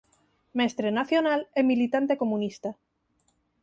Mestre nacional e militante comunista.